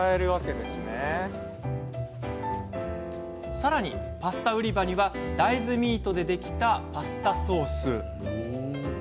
さらに、パスタ売り場には大豆ミートでできたパスタソース。